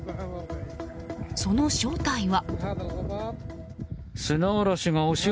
その正体は。